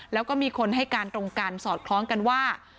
แล้วก็มีคนให้การตรงกันสอดคล้องกันว่า